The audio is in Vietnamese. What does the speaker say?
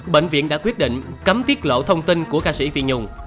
bệnh viện đã quyết định cấm tiết lộ thông tin của ca sĩ phi nhung